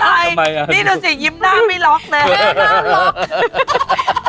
อะไรนี่ดูสิยิ้มหน้าไม่ล๊อคเลย